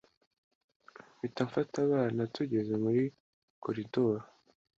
mpita mfata abana tugeze muri koridoro